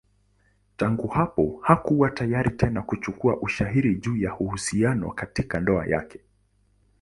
Tangu hapa hakuwa tayari tena kuchukua ushauri juu ya uhusiano katika ndoa yake.